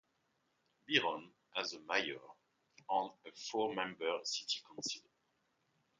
Byron has a mayor and a four-member city council.